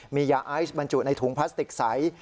มียาไอซ์บรรจุในถุงพลาสติกใส